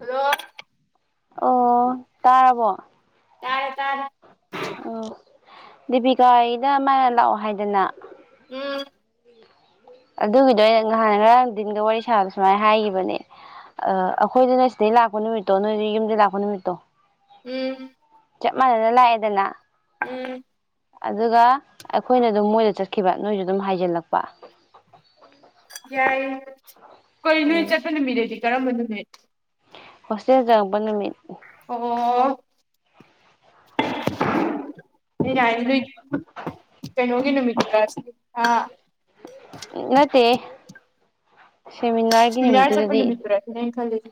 Hello ꯑꯣ ꯇꯥꯔꯕꯣ ꯇꯥꯔꯦ ꯇꯥꯔꯦ ꯑꯣ ꯗꯦꯕꯤꯀꯥꯒꯤꯗ ꯃꯥꯅ ꯂꯥꯛꯑꯣ ꯍꯥꯏꯗꯅ ꯎꯝ ꯑꯗꯨꯒꯤꯗꯣ ꯑꯩꯅ ꯅꯍꯥꯟ ꯉꯔꯥꯡꯗꯤꯟꯒ ꯋꯥꯔꯤ ꯁꯥꯕ ꯁꯨꯃꯥꯏꯅ ꯍꯥꯏꯈꯤꯕꯅꯦ ꯑ ꯑꯩꯈꯣꯏꯗꯨꯅ ꯁꯤꯗꯩ ꯂꯥꯛꯄ ꯅꯨꯃꯤꯠꯇꯣ ꯅꯣꯏꯗ ꯌꯨꯝꯗꯩ ꯂꯥꯛꯄ ꯅꯨꯃꯤꯠꯇꯣ ꯎꯝ ꯆꯞ ꯃꯥꯟꯅꯅ ꯂꯥꯛꯑꯦꯗꯅ ꯎꯝ ꯑꯗꯨꯒ ꯑꯩꯈꯣꯏꯅ ꯑꯗꯨꯝ ꯃꯣꯏꯗ ꯆꯠꯈꯤꯕ ꯅꯣꯏꯁꯨ ꯑꯗꯨꯝ ꯍꯥꯏꯖꯤꯜꯂꯛꯄ ꯌꯥꯏ ꯀꯣꯏ ꯅ ꯎꯝ ꯆꯦꯇꯅ ꯃꯦꯗꯤ ꯀꯔꯝꯕ ꯑꯗꯨꯅꯦ ꯍꯣꯁꯇꯦꯜ ꯆꯪꯉꯛꯄ ꯅꯨꯃꯤꯠ ꯑꯣ ꯌꯥ ꯀꯩꯅꯣꯒꯤ ꯅꯨꯃꯤꯠꯇꯁꯤ ꯑ ꯅꯠꯇꯦ ꯁꯦꯃꯤꯅꯥꯔꯒꯤ ꯁꯦꯃꯤꯅꯥꯔ ꯆꯠꯄ ꯅꯨꯃꯤꯠꯇꯨꯗꯗꯤ ꯅꯨꯃꯤꯠꯇꯨꯔ ꯁꯤꯅꯦ ꯑꯩꯅ ꯈꯜꯂꯤꯁꯦ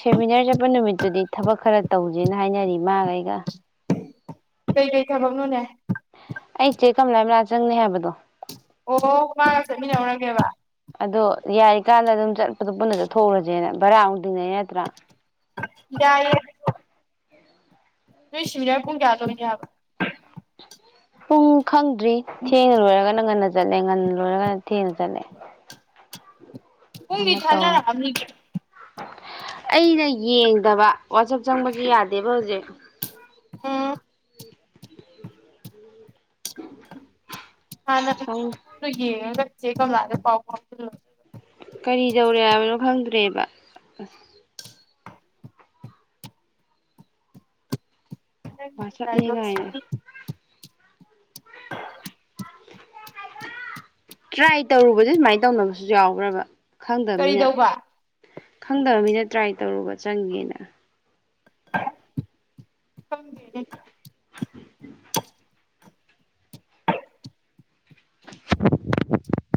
ꯁꯦꯃꯤꯅꯥꯔ ꯆꯠꯄ ꯅꯨꯃꯤꯠꯇꯨꯗꯤ ꯊꯕꯛ ꯈꯔ ꯇꯧꯁꯦꯅ ꯍꯥꯏꯅꯔꯤ ꯃꯥꯒ ꯑꯩꯒ ꯀꯩ ꯀꯩ ꯊꯥꯕꯛꯅꯣꯅꯦ ꯑꯩ ꯆꯦ ꯀꯝꯂꯥꯏ ꯃꯅꯥꯥ ꯆꯪꯅꯤ ꯍꯥꯏꯕꯗꯣ ꯑꯣ ꯃꯥꯒ ꯆꯠꯃꯤꯟꯅꯧꯔꯒꯦꯕ ꯏꯀꯥꯟꯗ ꯑꯗꯨꯝ ꯆꯠꯄꯗꯨ ꯄꯨꯟꯅ ꯆꯠꯊꯎꯁꯦꯅ ꯕꯔꯥ ꯍꯧꯗꯔꯤꯉꯩꯩꯅ ꯏ ꯅꯣꯏ ꯁꯤꯡꯕꯤꯅꯤꯅꯔ ꯄꯨꯡ ꯀꯌꯥꯗ ꯑꯣꯏꯒꯦ ꯍꯥꯏꯕ ꯄꯨꯡ ꯈꯪꯗ꯭ꯔꯤ ꯊꯦꯡꯅ ꯂꯣꯏꯔꯒꯅ ꯉꯟꯅ ꯆꯠꯂꯦ ꯉꯟꯅ ꯂꯣꯏꯔꯒꯅ ꯊꯦꯡꯅ ꯆꯠꯂꯦ ꯀꯣꯏ ꯑꯃ ꯇꯧꯔ ꯙꯥꯟꯅꯥꯔꯕꯅꯤ ꯀ ꯑꯩꯅ ꯌꯦꯡꯗꯕ ꯋꯥꯆꯞ ꯆꯪꯕꯁꯨ ꯌꯥꯗꯦꯕ ꯍꯧꯖꯤꯛ ꯑꯝ ꯒ ꯆꯦ ꯀ ꯃꯥꯔꯦ ꯄꯥꯎ ꯄꯥꯎ ꯀꯔꯤ ꯇꯧꯔꯦ ꯍꯥꯏꯕꯅꯣ ꯐꯪꯗ꯭ꯔꯦꯕ ꯑꯁ ꯋꯥꯆꯞꯅꯦ ꯪꯂꯗ ꯀꯥꯏꯅ ꯇ꯭ꯔꯥꯏ ꯇꯧꯔꯨꯕꯁ ꯁꯨꯃꯥꯏ ꯇꯧꯅꯕꯁꯨ ꯌꯥꯎꯈ꯭ꯔꯕ ꯈꯪꯗꯕꯅꯤꯅ ꯀꯔꯤꯗꯧꯕ ꯈꯪꯗꯕꯅꯤꯅ ꯇ꯭ꯔꯥꯏ ꯇꯧꯔꯨꯕ ꯆꯪꯒꯦꯅ ꯊꯗꯅꯦ [unintelligible] [unintelligible]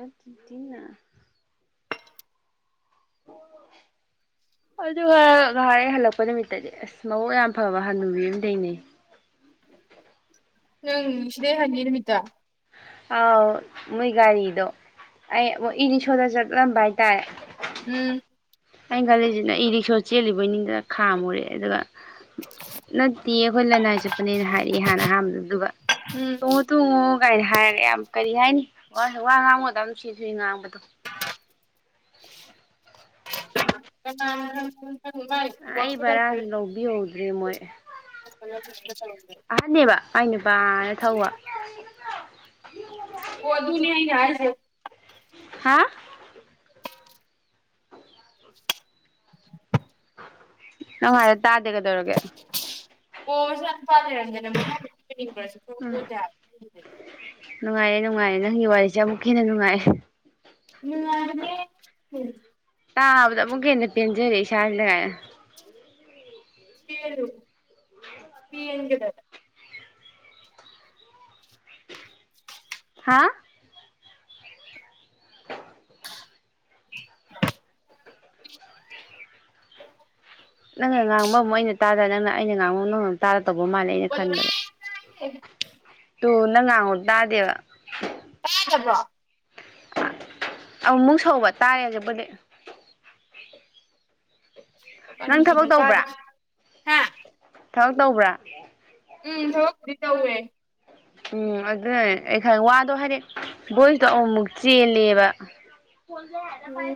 ꯑ ꯇꯤ ꯅ ꯑꯗꯨꯒ ꯉꯍꯥꯏ ꯍꯜꯂꯛꯄ ꯅꯨꯃꯤꯠꯇꯗꯤ ꯑꯁ ꯃꯕꯨ ꯌꯥꯝ ꯐꯕ ꯍꯜꯂꯨꯕꯤ ꯗꯩꯅꯦ ꯅꯪ ꯏ ꯁꯤ ꯗꯦ ꯍꯅꯒꯤ ꯅꯨꯃꯤꯇꯥ ꯑꯥꯎ ꯃꯣꯏ ꯒꯥꯔꯤꯗꯣ ꯑꯩ ꯏꯔꯤꯁꯣꯗ ꯆꯠꯂꯝꯕ ꯍꯥꯏꯇꯥꯔꯦ ꯎꯝ ꯑꯩꯅ ꯈꯜꯂꯤꯁꯤꯅ ꯑꯩ ꯔꯤꯛꯁꯣ ꯆꯦꯜꯂꯤꯕꯩꯅꯤꯗꯅ ꯈꯥꯝꯃꯨꯔꯦ ꯑꯗꯨꯒ ꯅ ꯇꯤ ꯑꯩꯈꯣꯏ ꯂꯅꯥꯏ ꯆꯠꯄꯅꯦꯅ ꯍꯥꯏꯔꯛꯑꯦ ꯍꯥꯟꯅ ꯑꯍꯥꯟꯕꯗ ꯑꯗꯨꯒ ꯎꯝ ꯇꯣꯉꯣ ꯇꯣꯉꯣ ꯥꯏꯅ ꯍꯥꯏꯔꯒ ꯌꯥꯝ ꯀꯔꯤ ꯍꯥꯏꯅꯤ ꯋꯥ ꯉꯥꯡ ꯇꯝ ꯁꯤ ꯁꯤ ꯉꯥꯡꯕꯗꯣ ꯆ [unintelligible] ꯑꯩ ꯕꯔꯥꯁꯨ ꯂꯧꯕꯤꯍꯧꯗ꯭ꯔꯦ ꯃꯣꯏ ꯑꯍꯟꯅꯕ ꯑꯩ ꯅꯨꯄꯥꯅ ꯊꯧꯕ [unintelligible] ꯑꯣ ꯑꯗꯨ ꯅ ꯑꯅꯦ ꯍꯥꯏꯁꯦ ꯍꯥ ꯑꯔ ꯇꯥꯗꯒꯗꯧꯔꯒꯦ ꯑꯣ ꯁ ꯄꯔ [unintelligible] ꯅꯤꯡꯕ꯭ꯔꯁꯨ ꯎꯝ [unintelligible] ꯅꯨꯡꯉꯥꯏꯔꯌꯦ ꯅꯪꯒꯤ ꯋꯥꯔꯤꯁꯦ ꯑꯃꯨꯛ ꯍꯦꯟꯅ ꯅꯨꯡꯉꯥꯏꯌꯦ [unintelligible] ꯇꯥꯕꯗ ꯑꯃꯨꯛꯀꯦꯟꯅ ꯄꯦꯟꯖꯔꯦ ꯏꯁꯥꯁꯤꯅ ꯁꯤ [unintelligible] ꯍꯥ ꯅꯪꯅ ꯉꯥꯡꯕ ꯑꯃꯨꯛ ꯑꯩꯅ ꯇꯥꯗ ꯅꯪꯅ ꯑꯩꯅ ꯉꯥꯡꯕ ꯅꯪꯅ ꯑꯃꯨꯛ ꯇꯥꯗ ꯇꯧꯕꯧ ꯃꯥꯜꯂꯦ ꯑꯩꯅ [unintelligible] [unintelligible] ꯇꯨ ꯅꯪ ꯉꯥꯡꯕ ꯇꯥꯗꯦꯕ꯫ [inaudible] ꯗꯕ꯭ꯔꯣ꯫ ꯑꯃꯨꯛ ꯁꯧꯕ ꯇꯥꯔꯦ ꯍꯖꯤꯛꯄꯨꯗꯤ꯫ ꯕꯤꯒꯤꯅ ꯀꯥ ꯍꯥ꯫ ꯊꯕꯛ ꯇꯧꯕ꯭ꯔꯥ꯫ ꯎꯝ ꯊꯕꯛꯄꯨꯗꯤ ꯇꯧꯋꯦ꯫ ꯎꯝ ꯑꯗꯨꯅꯅꯦ ꯑꯩ ꯈ ꯋꯥꯗꯣ ꯍꯥꯏꯗꯤ ꯕꯣꯏ꯭ꯁꯗꯣ ꯑꯃꯨꯃꯨꯛ ꯆꯦꯜꯂꯦꯕ꯫ ꯐꯣꯟꯖꯅ [unintelligible] ꯄꯥꯏ꯫ ꯎꯝ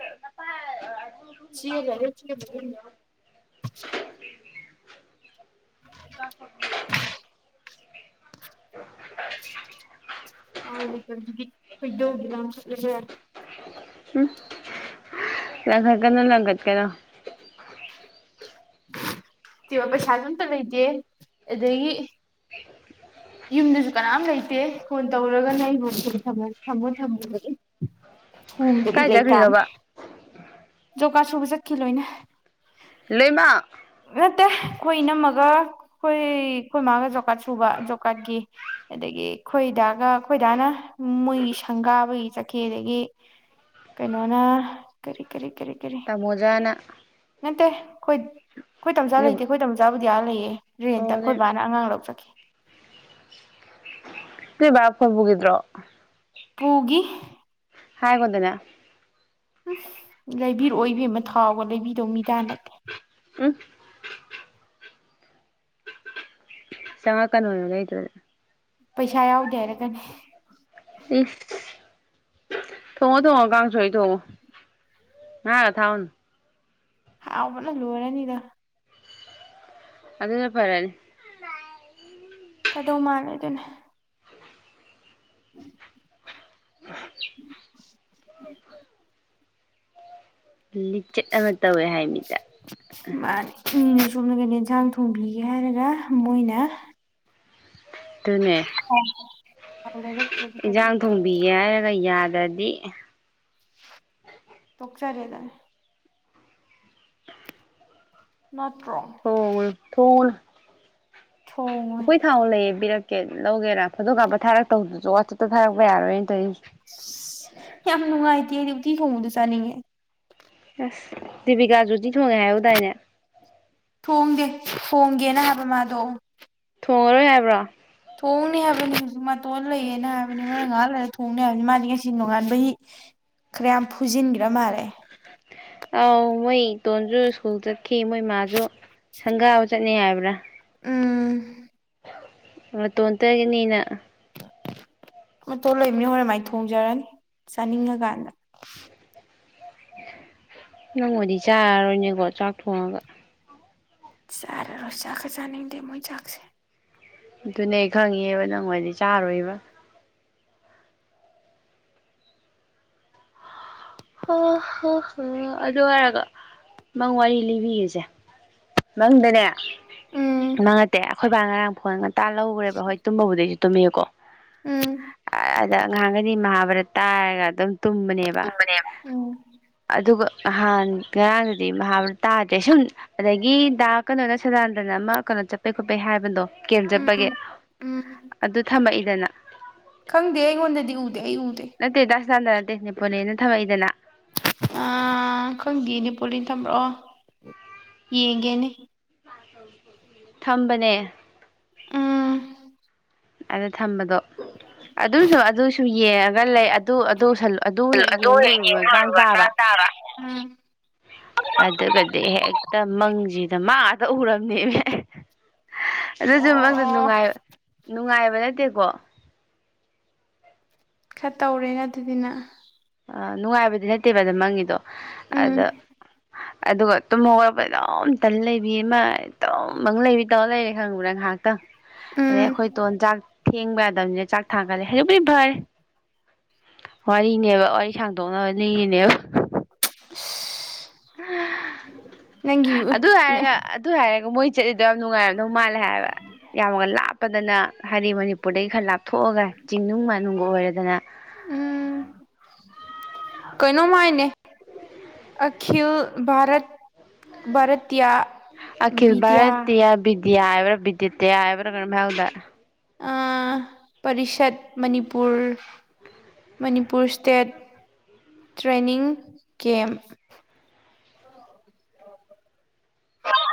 [unintelligible] ꯆꯦꯟꯕꯗꯨꯅꯤ ꯄꯩꯁꯥꯁꯨ ꯎꯝ꯫ ꯂꯪꯈꯠꯀꯅꯣ ꯂꯪꯈꯠꯀꯅꯣ꯫ ꯇꯤꯕ ꯄꯩꯁꯥꯁꯨ ꯑꯝꯇ ꯂꯩꯇꯦ ꯑꯗꯒꯤ꯫ ꯌꯨꯝꯗꯁꯨ ꯀꯅꯥꯝ ꯂꯩꯇꯦ ꯐꯣꯟ ꯇꯧꯔꯒꯅ ꯑꯩꯕꯨ [unintelligible] ꯊꯝꯃꯨ ꯊꯝꯃꯣꯅ꯫ ꯊꯣꯡꯗꯕꯤ ꯀꯥꯏ ꯂꯩꯇꯥꯝꯅꯦ꯫ ꯆꯠꯈ꯭ꯔꯤꯅꯣꯕ ꯖꯣꯕꯀꯥꯔ ꯁꯨꯕ ꯆꯠꯈꯤ ꯂꯣꯏꯅ꯫ ꯂꯣꯏꯃꯛ꯫ ꯅꯠꯇꯦ ꯑꯩꯈꯣꯏ ꯏꯅꯝꯃꯒ ꯑꯩꯈꯣꯏ ꯑꯩꯈꯣꯏ ꯃꯥꯒ ꯖꯣꯀꯥꯠ ꯁꯨꯕ ꯖꯣ ꯀꯥꯠꯀꯤ ꯑꯗꯒꯤ ꯑꯩꯈꯣꯏꯗꯥꯒ ꯑꯩꯈꯣꯏꯗꯥꯅ ꯃꯣꯏꯒꯤ ꯁꯪꯒꯥꯕꯒꯤ ꯆꯠꯈꯤ ꯑꯗꯒꯤ ꯀꯩꯅꯣꯅ ꯀꯔꯤ ꯀꯔꯤ꯫ ꯀꯔꯤ ꯀꯔꯤ ꯇꯥꯃꯣꯖꯥꯅ꯫ ꯅꯠꯇꯦ꯫ ꯑꯩꯈꯣꯏ ꯑꯩꯈꯣꯏ ꯇꯝꯆꯥ ꯂꯩꯇꯦ ꯑꯩꯈꯣꯏ ꯇꯝꯆꯥ ꯗꯤꯑꯥ ꯂꯩꯌꯦ꯫ ꯑꯣ ꯔꯦꯟꯇ ꯑꯩꯈꯣꯏ ꯕꯥꯅ ꯑꯉꯥꯡ ꯂꯧ ꯆꯠꯈꯤ꯫ ꯅꯣꯏ ꯕꯥ ꯐꯣꯟ ꯄꯨꯒꯤꯗ꯭ꯔꯣ꯫ ꯄꯨꯒꯤ꯫ ꯍꯥꯏꯒꯣꯗꯅ꯫ ꯂꯩꯕꯤꯔꯛꯑꯣꯏ ꯏꯕꯦꯃ ꯊꯥꯎꯒ ꯂꯩꯕꯤꯗꯧ ꯃꯤꯗꯥ ꯅꯠꯇꯦ꯫ ꯎ꯫ ꯆꯪꯉꯛꯀꯅꯣꯌꯣ ꯂꯩꯗ꯭ꯔꯗꯤ꯫ ꯄꯩꯁꯥ ꯌꯥꯎꯗꯦ ꯍꯥꯏꯔꯛꯀꯅꯤ꯫ ꯎ꯫ ꯊꯣꯡꯉꯣ ꯊꯣꯡꯉꯣ ꯀꯥꯡꯁꯣꯏ ꯊꯣꯡꯉꯣ ꯉꯥꯒ ꯊꯥꯎꯅꯣ꯫ ꯍꯥꯎꯕꯅ ꯂꯣꯏꯔꯅꯤꯗ꯫ ꯑꯗꯨꯅ ꯐꯔꯅꯤ꯫ ꯐꯗꯧ ꯃꯥꯜꯂꯦꯗꯨꯅꯦ꯫ ꯂꯤꯆꯠ ꯑꯃ ꯇꯧꯋꯦ ꯍꯥꯏꯃꯤꯗ꯫ ꯑꯣꯝꯅ ꯀꯩꯩꯅ ꯏꯟꯁꯥꯡ ꯊꯣꯡꯕꯤꯒꯦ ꯍꯥꯏꯔꯒ ꯃꯣꯏꯅ ꯑꯗꯨꯅꯦ ꯍ [unintelligible] ꯏꯟꯁꯥꯡ ꯊꯣꯡꯕꯤꯒꯦ ꯍꯥꯏꯔꯒ ꯌꯥꯔꯦ ꯑꯗꯤ ꯇꯣꯛꯆꯔꯦꯗ ꯅꯠꯇ꯭ꯔꯣ ꯊꯣꯡꯉꯨꯅꯨ ꯊꯣꯡꯉꯨꯅꯨ ꯊꯣꯡꯉꯣꯏ ꯑꯩꯈꯣꯏ ꯊꯥ ꯂꯩꯌꯦꯕꯤꯔꯠ ꯇꯤꯀꯦꯠ ꯂꯧꯒꯦꯔꯥ ꯐꯣꯇꯣ ꯀꯥꯞꯄ ꯊꯥꯔꯛꯇꯧꯗꯨꯁꯨ ꯋꯥꯠꯆꯦꯞꯇ ꯊꯥꯔꯛꯄ ꯌꯥꯔꯣꯏꯅꯦ ꯇꯧꯔꯤꯁꯦ꯫ ꯑꯁ ꯌꯥꯝ ꯅꯨꯡꯉꯥꯏꯇꯦ ꯑꯩꯗꯤ ꯎꯇꯤ ꯊꯣꯡꯕꯗꯨ ꯆꯥꯅꯤꯡꯉꯦ꯫ ꯑꯁ ꯖꯤꯕꯤꯀꯥꯁꯨꯗꯤ ꯊꯣꯡꯉꯦ ꯍꯥꯏꯨꯗꯥꯏꯅꯦ ꯊꯣꯡꯗꯦ ꯊꯣꯡꯒꯦꯅ ꯍꯥꯏꯕ ꯃꯥꯗꯣ꯫ ꯊꯣꯡꯉꯔꯣꯏ ꯍꯥꯏꯕ꯭ꯔꯣ ꯊꯣꯡꯅꯤ ꯍꯥꯏꯕꯅꯤ ꯃꯇꯣꯟ ꯂꯩꯌꯦꯅ ꯍꯥꯏꯕꯅꯤ ꯍꯣꯔꯦꯟ ꯉꯍꯥꯛ ꯂꯩꯔ ꯊꯣꯡ ꯊꯣꯡꯅꯤ ꯍꯥꯏꯕꯅꯤ ꯃꯥꯗꯤ ꯉꯁꯤ ꯅꯣꯡꯉꯥꯟꯕꯒꯤ ꯈꯔ ꯌꯥꯝ ꯐꯨꯖꯤꯟꯒ꯭ꯔꯥ ꯃꯥꯜꯂꯦ꯫ ꯑꯧ ꯃꯣꯏ ꯏꯇꯣꯟꯁꯨ ꯁ꯭ꯀꯨꯜ ꯆꯠ ꯈꯤ ꯃꯣꯏ ꯃꯥꯁꯨ꯫ ꯁꯪꯒꯥꯕ ꯆꯠꯅꯤ ꯍꯥꯏꯕ꯭ꯔꯥ꯫ ꯎꯝ꯫ ꯃꯇꯣꯟꯇꯒꯤꯅꯤꯅ꯫ ꯃꯇꯣꯟ ꯂꯩꯕꯅꯤ ꯍꯣꯔ ꯃꯥꯏꯅ ꯊꯣꯡꯖꯔꯅꯤ ꯆꯥꯅꯤꯡꯉꯀꯥꯟꯗ꯫ ꯅꯪ ꯑꯣꯏꯗꯤ ꯆꯥꯔꯔꯣꯏꯅꯦꯀꯣ ꯆꯥꯛ ꯊꯣꯡꯉꯒ꯫ ꯆꯥꯔꯔꯣꯏꯁꯤ ꯆꯥꯛꯀ ꯆꯥꯅꯤꯡꯗꯦ ꯃꯣꯏ ꯆꯥꯛꯁꯦ꯫ ꯑꯗꯨꯅꯦ ꯈꯪꯉꯦꯕ ꯅꯪ ꯑꯣꯏꯗꯤ ꯆꯥꯔꯣꯏꯕ꯫ ꯍꯣ ꯍꯣ ꯍꯣ ꯑꯗꯨ ꯍꯥꯏꯔꯒ ꯃꯪ ꯋꯥꯔꯤ ꯂꯤꯕꯤꯒꯁꯦ ꯃꯪꯗꯅꯦ꯫ ꯎꯝ ꯃꯡ ꯅꯠꯇꯦ ꯑꯩꯈꯣꯏ ꯕꯥ ꯉꯔꯥꯡ꯫ [unintelligible] ꯇꯥꯜꯍꯧꯔꯦꯕ ꯍꯣꯏ ꯇꯕꯕꯨꯗꯩꯁꯨ [unintelligible] ꯇꯨꯝꯕꯤꯌꯨꯀꯣ꯫ ꯎꯝ ꯑꯗ ꯉꯍꯥꯟꯒꯩꯗꯤ ꯃꯍꯥꯚꯥꯔꯠ꯫ ꯇꯥꯏꯔꯒ ꯑꯗꯨꯝ꯫ ꯇꯨꯝꯕꯅꯦꯕ꯫ ꯎꯕꯅꯦꯕ ꯎꯝ ꯑꯗꯨ ꯑꯗꯨꯒ ꯅꯍꯥꯟ ꯉꯔꯥꯡꯗꯗꯤ ꯃꯍꯥꯛ ꯇꯥꯗ꯭ꯔꯦ ꯁꯨꯝ ꯑꯗꯒꯤ ꯗ ꯀꯩꯅꯣꯅ ꯁꯗꯥꯟꯗꯅ ꯑꯃ ꯀꯩꯅꯣ ꯆꯠꯄꯩ ꯈꯣꯠꯄꯩ ꯍꯥꯏꯕꯗꯣ ꯀꯦꯝ ꯆꯠꯄꯒꯤ ꯎꯝ ꯎꯝ ꯑꯗꯨ ꯊꯝꯃꯛꯏ꯫ ꯗꯅ꯫ ꯈꯪꯗꯦ ꯑꯩꯉꯣꯟꯗꯗꯤ ꯎꯗꯦ ꯑꯩ ꯎꯗꯦ꯫ ꯇꯦ ꯅꯦꯄꯣꯂꯤꯌꯟꯅ ꯊꯝꯃꯛꯏꯗꯅ꯫ ꯑꯥ ꯈꯪꯗꯦꯅꯦ ꯄꯣꯂꯤ ꯊꯝꯕ꯭ꯔꯣ ꯑꯣ ꯌꯦꯡꯒꯦꯅꯦ꯫ ꯊꯝꯕꯅꯦ꯫ ꯎꯝ ꯑꯗ ꯊꯝꯕꯗꯣ꯫ ꯑꯗꯨꯝꯁꯨ ꯑꯗꯨꯁꯨ ꯌꯦꯡꯉꯒ ꯂꯩ ꯑꯗꯨ ꯎꯁꯜ ꯑꯗꯨ ꯍꯦꯛ ꯌꯦꯡ ꯍꯦꯛ ꯂꯣꯏꯔꯨꯕ ꯃꯇꯥꯡ ꯂꯣꯏꯕꯒ ꯇꯥꯕ꯫ ꯆꯥꯛ ꯆꯥꯕ ꯎꯝ꯫ ꯑꯗꯨꯒꯗꯤ ꯍꯦꯛꯇ ꯃꯪꯁꯤꯗ ꯃꯥ ꯉꯥꯛꯇ ꯎꯔꯝꯅꯦꯅꯦ꯫ ꯑꯗꯨꯁꯨ ꯃꯡꯗꯣ ꯑꯣ ꯅꯨꯡꯉꯥꯏ ꯅꯨꯡꯉꯥꯏ ꯕ ꯅꯠꯇꯦꯀꯣ꯫ ꯈꯔ ꯇꯧꯔꯦꯅ ꯑꯗꯨꯗꯤ ꯅꯡ꯫ ꯑ ꯅꯨꯡꯉꯥꯏꯕꯗꯤ ꯅꯠꯇꯦꯕ ꯑꯗꯝ ꯃꯪꯉꯤꯗꯣ ꯎꯝ ꯑꯗ ꯑꯗꯨꯒ ꯇꯨꯝꯍ ꯋꯥꯄꯗꯣꯝꯇꯟ ꯂꯩꯕꯤ ꯃꯥꯏ ꯇꯧꯝꯃꯪ ꯂꯩꯕꯤ ꯇꯧꯔ ꯂꯩꯔꯦ ꯈꯪꯕ꯭ꯔꯥ ꯉꯥꯏꯍꯥꯛꯇꯪ ꯑꯗꯩ ꯎꯝ ꯑꯩꯈꯣꯏ ꯇꯣꯟꯖꯥꯛ ꯊꯦꯡꯕ ꯌꯥꯗꯕꯅꯤꯅ ꯆꯥꯛ ꯊꯥꯒꯠꯂꯦ ꯍꯧꯖꯤꯛꯕꯨꯗꯤ ꯐꯔꯦ ꯋꯥꯔꯤꯅꯦꯕ ꯑꯩ ꯁꯥꯡꯗꯣꯛꯅꯕꯅꯤꯅꯦꯕ [unintelligible] ꯅꯪꯒꯤ ꯑꯗꯨ ꯍꯥꯏꯔꯒ ꯑꯗꯨ ꯍꯥꯏꯔꯒ ꯃꯣꯏ ꯆꯠꯂꯤꯗꯣ ꯌꯥꯝ ꯅꯨꯡꯉꯥꯏꯔꯕꯗꯧ ꯃꯥꯜꯂꯦ ꯍꯥꯏꯕ ꯌꯥꯝꯒ ꯂꯥꯞꯄꯗꯅ ꯍꯥꯏꯗꯤ ꯃꯅꯤꯄꯨꯔꯗꯒꯤ ꯈꯔ ꯂꯥꯞꯊꯣꯛꯑꯒ ꯆꯤꯡꯅꯨꯡ ꯃꯥꯒ ꯑꯣꯏꯔꯗꯅ ꯀꯩꯅꯣꯝꯃꯥꯏꯅꯦ ꯑꯈꯤꯜ ꯚꯔꯠ ꯔꯠ ꯑꯈꯜꯚꯔꯠꯇꯤꯌꯥ ꯗꯤ ꯌꯥꯕꯔ ꯕꯤꯗꯠꯇ ꯌꯥꯕꯔꯒꯅꯃꯒꯗ Parishad Manipur Manipur state training camp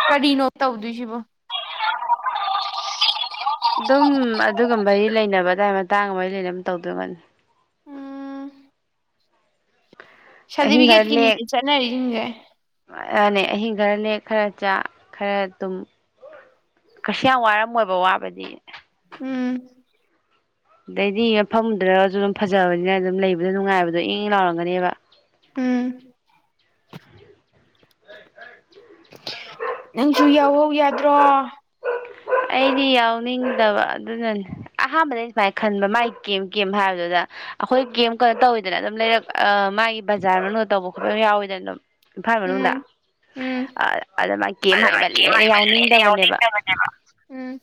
ꯀꯔꯤꯅꯣ ꯇꯧꯗꯣꯏꯁꯤꯕꯣ ꯑꯗꯨꯒꯨꯝꯕꯒꯤ ꯂꯩꯅꯕ ꯑꯗꯥꯏ ꯃꯇꯥꯡ ꯑꯃꯔꯤ ꯂꯩꯅꯅꯕ ꯇꯧꯗꯣꯏꯒꯅꯤ ꯎꯝ ꯑꯍꯤꯡ ꯁꯔꯇꯤꯐꯤꯦꯠ ꯀꯅꯤ ꯆꯠ ꯅꯔꯔꯤꯒ ꯎ ꯅꯦ ꯑꯍꯤꯡ ꯈꯔ ꯂꯦꯛ ꯈꯔ ꯆꯥꯛ ꯈꯔ ꯇꯨꯝ ꯀꯁꯨ ꯌꯥꯝ ꯋꯥꯔꯝꯃꯣꯏꯕ ꯋꯥꯕꯗꯤ ꯎꯝ ꯑꯗꯩꯗꯤ ꯃꯐꯝꯗ꯭ꯔꯒꯁꯨ ꯑꯗꯨꯝ ꯐꯖꯕꯅꯤꯅ ꯑꯗꯨꯝ ꯂꯩꯕꯗ ꯅꯨꯡꯉꯥꯏꯕꯗꯣ ꯏꯪ ꯂꯥꯎꯔꯝꯒꯅꯦꯕ ꯎꯝ ꯂꯩ ꯇꯥꯏ ꯅꯪꯁꯨ ꯌꯥꯎꯍꯧ ꯌꯥꯗ꯭ꯔꯦ ꯑꯣ ꯑꯩꯗꯤ ꯌꯥꯎꯅꯤꯡꯗꯕ ꯑꯗꯨꯅꯅꯦ ꯑꯍꯥꯟꯕꯗꯩ ꯁꯨꯃꯥꯏꯅ ꯈꯟꯕ ꯃꯥꯒꯤ ꯀꯦꯝ ꯀꯦꯝ ꯍꯥꯏꯕꯗꯨꯗ ꯑꯩꯈꯣꯏ ꯀꯦꯝ ꯀꯩꯅꯣ ꯇꯧꯋꯤꯗꯅ ꯑꯗꯨꯝ ꯂꯩꯔꯛ ꯃꯥꯒꯤ ꯕꯖꯥꯔ ꯃꯅꯨꯡꯗ ꯇꯧꯕ ꯈꯣꯠꯄ ꯌꯥꯎꯋꯤꯗꯅ ꯑꯗꯨꯝ ꯏꯝꯐꯥꯜ ꯃꯅꯨꯡꯗ ꯎꯝ ꯎꯝ ꯑꯗꯨꯗ ꯃꯥꯥꯏ ꯀꯦꯝ ꯍꯥꯏꯃꯜꯂꯦꯅ ꯌꯥꯎꯅꯤꯡꯗꯕꯅꯦꯕ ꯎꯝ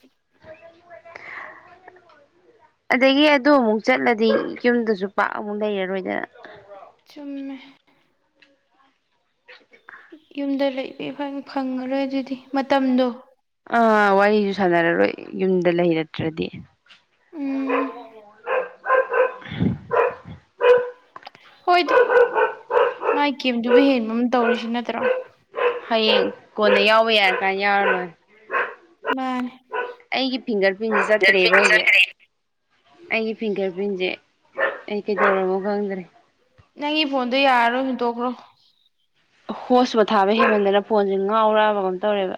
ꯑꯗꯒꯤ ꯑꯗꯨ ꯑꯃꯨꯛ ꯆꯠꯂꯗꯤ ꯌꯨꯝꯗꯁꯨ ꯄꯥꯛ ꯑꯃꯨꯛ ꯂꯩꯔꯔꯣꯏꯗꯅ ꯆꯨꯝꯃꯦ [inaudible] ꯌꯨꯝꯗ ꯂꯩꯕ ꯏꯐꯪ ꯐꯪꯉꯔꯣꯏ ꯑꯗꯨꯗꯤ ꯃꯇꯝꯗꯣ ꯑꯥ ꯋꯥꯔꯤꯁꯨ ꯁꯥꯟꯅꯔꯔꯣꯏ ꯌꯨꯝꯗ ꯂꯩꯔꯛꯇ꯭ꯔꯗꯤ ꯎꯝ [unintelligible] ꯍ ꯍꯣꯏꯗ ꯃꯥꯏ ꯒꯦꯝꯗꯨꯕꯨ ꯍꯦꯟꯕ ꯑꯃ ꯇꯧꯔꯤꯁꯤ ꯅꯠꯇ꯭ꯔꯣ ꯍꯌꯦꯡ ꯀꯣꯟꯅ ꯌꯥꯎꯕ ꯌꯥꯔ ꯀꯥꯅ ꯌꯥꯎꯔ ꯂꯣꯏꯔꯦ ꯃꯥꯅꯦ ꯑꯩꯒꯤ ꯐꯤꯡꯒꯔ ꯄ꯭ꯔꯤꯟꯁꯦ ꯆꯠꯇ꯭ꯔꯦꯕ ꯍꯧꯖꯤꯛ ꯑꯩꯒꯤ ꯐꯤꯡꯒꯔ ꯄ꯭ꯔꯤꯟꯁꯦ ꯑꯩ ꯀꯩꯗꯧꯔꯃꯣ ꯈꯪꯗ꯭ꯔꯦ ꯅꯪꯒꯤ ꯐꯣꯟꯗꯣ ꯌꯥꯔꯔꯣꯏ ꯍꯨꯟꯇꯣꯛꯈ꯭ꯔꯣ ꯍꯣꯁꯄꯣꯠ ꯊꯥꯕ ꯍꯦꯟꯃꯟꯗꯅ ꯐꯣꯟꯁꯦ ꯉꯥꯎꯔꯛꯑꯕ ꯀꯝ ꯇꯧꯔꯦꯕ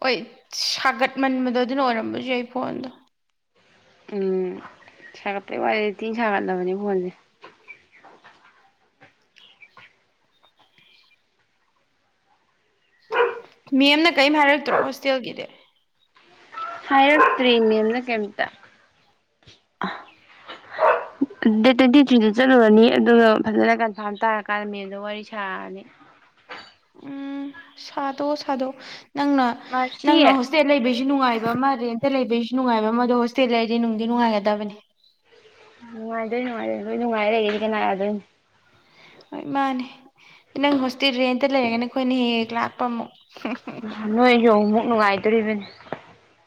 ꯍꯣꯏ ꯁꯥꯒꯠꯃꯟꯕꯗꯣ ꯑꯗꯨꯅ ꯑꯣꯏꯔꯝꯕꯁꯨ ꯌꯥꯏ ꯐꯣꯟꯗꯣ ꯎꯝ ꯁꯥꯒꯠꯄꯩ ꯋꯥꯗꯤ ꯊꯤꯟ ꯁꯥꯒꯠꯂꯕꯅꯤ ꯐꯣꯟꯁꯦ ꯃꯦꯝꯅ ꯀꯔꯤꯝ ꯍꯥꯏꯔꯛꯇ꯭ꯔꯣ ꯍꯣꯁꯇꯦꯜꯒꯤꯗꯤ ꯍꯥꯏꯔꯛꯇ꯭ꯔꯤ ꯃꯦꯝꯅ ꯀꯩꯝꯇ ꯗꯦꯠ ꯇ꯭ꯋꯦꯟꯇꯤ ꯊ꯭ꯔꯤꯗ ꯆꯠꯂꯨꯔꯅꯤ ꯑꯗꯨꯒ ꯐꯖꯅ ꯀꯟꯐꯥꯔꯝ ꯇꯥꯔꯀꯥꯟꯗ ꯃꯦꯝꯗ ꯋꯥꯔꯤ ꯁꯥꯔꯅꯤ ꯎꯝ ꯁꯥꯗꯣ ꯁꯥꯗꯣ ꯅꯪꯅ ꯃꯥꯔꯁꯤ ꯅꯪꯅ ꯍꯣꯁꯇꯦꯜ ꯂꯩꯕꯩꯁꯨ ꯅꯨꯡꯉꯥꯏꯕ ꯑꯃ ꯔꯦꯟꯇ ꯂꯩꯕꯩꯁꯨ ꯅꯨꯡꯉꯥꯏꯕ ꯑꯃ ꯑꯃꯗꯣ ꯍꯣꯁꯇꯦꯜ ꯂꯩꯔꯗꯤ ꯅꯨꯡꯗꯤ ꯅꯨꯡꯉꯥꯏꯒꯗꯕꯅꯤ ꯅꯨꯡꯉꯥꯏꯗꯣꯏ ꯅꯨꯡꯉꯥꯏꯗꯣ ꯂꯣꯏ ꯅꯨꯡꯉꯥꯏꯔ ꯂꯩꯒꯦꯗꯤ ꯀꯅꯥꯟ ꯌꯥꯗꯣꯏꯟ ꯍꯣꯏ ꯃꯥꯅꯦ ꯅꯪ ꯍꯣꯁꯇꯦꯜ ꯔꯦꯟꯇ ꯂꯩꯔꯒꯅ ꯑꯩꯈꯣꯏꯅ ꯍꯦꯛ ꯍꯦꯛ ꯂꯥꯛꯄ ꯑꯃꯨꯛ ꯅꯍꯥꯟ ꯅꯣꯏꯁꯨꯃꯨꯛ ꯅꯨꯡꯉꯥꯏꯇ ꯇ꯭ꯔꯔꯤꯕꯟ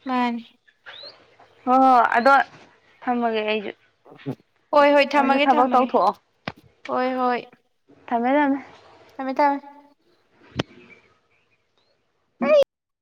ꯃꯥꯅꯤ ꯍꯣ ꯍꯣ ꯑꯗꯣ ꯊꯃꯒꯦ ꯑꯩꯖꯨ ꯍꯣꯏ ꯍꯣꯏ ꯊꯝꯃꯒꯦ ꯊꯝꯃꯒꯦ ꯇꯧꯊꯣꯛꯑꯣ ꯍꯣꯏ ꯍꯣꯏ ꯊꯃꯦ ꯊꯃꯦ ꯊꯃꯦ ꯊꯃꯦ [inaudible] ꯍ [unintelligible]